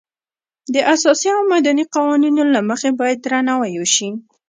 د اساسي او مدني قوانینو له مخې باید درناوی وشي.